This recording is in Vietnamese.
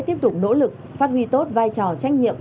tiếp tục nỗ lực phát huy tốt vai trò trách nhiệm